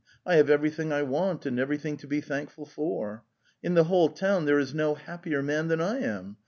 I have everything I want and everything to be thankful for. In the whole town there is no happier man than Iam.